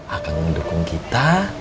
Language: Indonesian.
akan mendukung kita